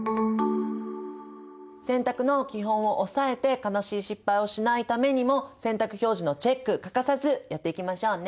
洗濯の基本を押さえて悲しい失敗をしないためにも洗濯表示のチェック欠かさずやっていきましょうね。